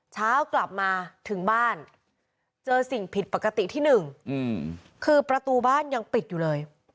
เช้ากลับมาถึงบ้านเจอสิ่งผิดปกติที่หนึ่งคือประตูบ้านยังปิดอยู่เลย